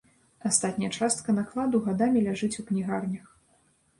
Астатняя частка накладу гадамі ляжыць у кнігарнях.